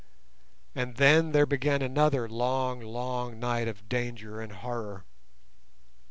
And then there began another long, long night of danger and horror.